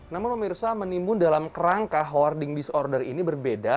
namun memirsa menimbun dalam rangka hoarding disorder ini berbeda